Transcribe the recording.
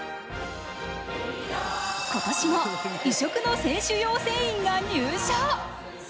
今年も異色の選手養成員が入所。